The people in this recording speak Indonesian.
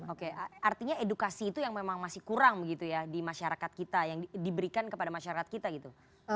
oke artinya edukasi itu yang memang masih kurang begitu ya di masyarakat kita yang diberikan kepada masyarakat kita gitu